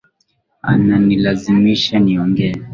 Ananilazimisha niongee